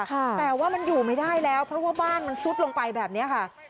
แต่ว่ามันอยู่ไม่ได้แล้วเพราะว่าบ้านมันซุดลงไปแบบนี้ค่ะ